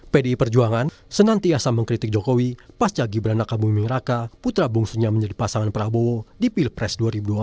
pdi perjuangan senantiasa mengkritik jokowi pasca gibran raka buming raka putra bungsunya menjadi pasangan prabowo di pilpres dua ribu dua puluh